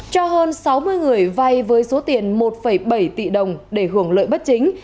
cho hơn sáu mươi người vay với số tiền một bảy tỷ đồng để hưởng lợi bất chính